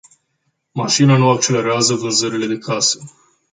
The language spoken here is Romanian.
Mașina nu accelerează vânzările de case.